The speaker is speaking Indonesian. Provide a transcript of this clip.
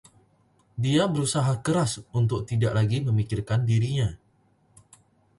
Dia berusaha keras untuk tidak lagi memikirkan dirinya.